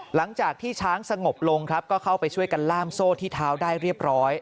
หลังจากที่ช้างสงบลงครับก็เข้าไปช่วยกันล่ามโซ่ที่เท้าได้เรียบร้อย